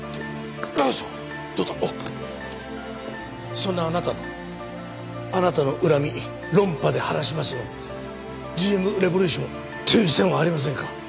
そんなあなたの「あなたの恨み論破で晴らします」のＧＭレボリューションという線はありませんか？